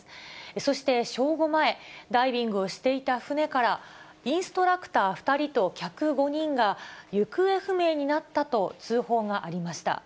そして正午前、ダイビングをしていた船から、インストラクター２人と客５人が行方不明になったと通報がありました。